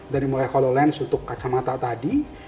dari mulai hololence untuk kacamata tadi